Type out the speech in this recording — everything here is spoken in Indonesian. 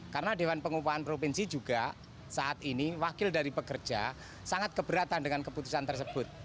karena dewan pengupahan provinsi juga saat ini wakil dari pekerja sangat keberatan dengan keputusan tersebut